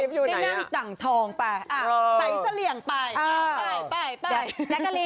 จะนั่งต่างทองไปใส่เสลี่ยงไป